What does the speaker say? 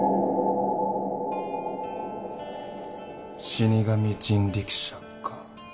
死神人力車か。